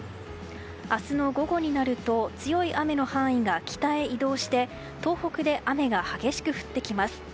明日の午後になると強い雨の範囲が北へ移動して東北で雨が激しく降ってきます。